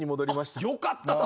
よかった。